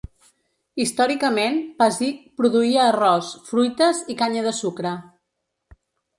Històricament, Pasig produïa arròs, fruites i canya de sucre.